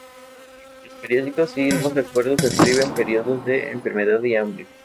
Los periódicos y los recuerdos describen periodos de enfermedad y hambre.